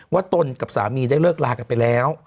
ตนกับสามีได้เลิกลากันไปแล้ว